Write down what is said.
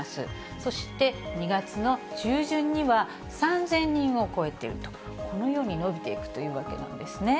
そして２月の中旬には、３０００人を超えていると、このように伸びていくというわけなんですね。